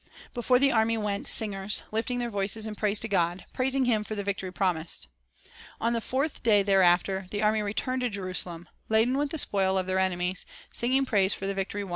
3 Before the army went singers, lifting their voices in praise to God, — praising Him for the victory promised. On the fourth day thereafter, the army returned to Jerusalem, laden with the spoil of their enemies, singing praise for the victory won.